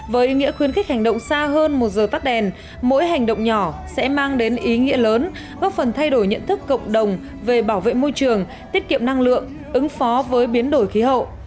với ý nghĩa khuyến khích hành động xa hơn một giờ tắt đèn mỗi hành động nhỏ sẽ mang đến ý nghĩa lớn góp phần thay đổi nhận thức cộng đồng về bảo vệ môi trường tiết kiệm năng lượng ứng phó với biến đổi khí hậu